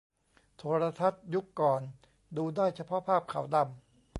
โทรทัศน์ยุคก่อนดูได้เฉพาะภาพขาวดำ